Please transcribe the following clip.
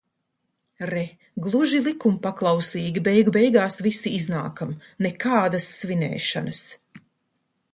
Re, gluži likumpaklausīgi beigu beigās visi iznākam. Nekādas svinēšanas.